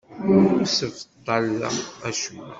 Ur ssebṭaleɣ acemma.